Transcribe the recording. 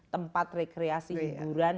tempat rekreasi hiburan